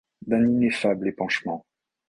D'un ineffable épanchement !